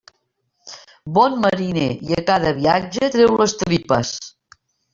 Bon mariner, i a cada viatge treu les tripes.